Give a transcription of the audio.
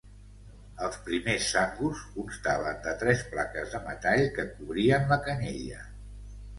Els primers sangus constaven de tres plaques de metall que cobrien la canyella.